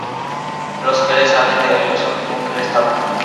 Los geles salen del aerosol como un gel estable.